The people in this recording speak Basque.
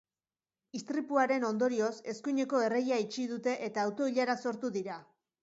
Istripuaren ondorioz, eskuineko erreia itxi dute eta auto-ilarak sortu dira.